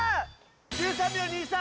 １３秒２３！